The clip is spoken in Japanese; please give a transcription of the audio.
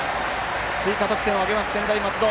追加得点を挙げます、専大松戸。